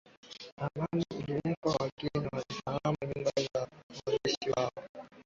Ramani hiyo iliwekwa wageni wafahamu nyumba za wenyeji wao